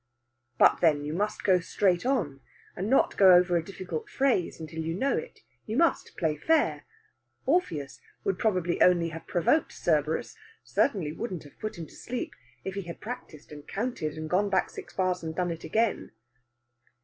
But, then, you must go straight on, and not go over a difficult phrase until you know it. You must play fair. Orpheus would probably only have provoked Cerberus certainly wouldn't have put him to sleep if he had practised, and counted, and gone back six bars and done it again.